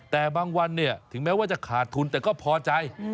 แต่บางวันเนี่ยถึงแม้ว่าจะขาดทุนแต่ก็พอใจ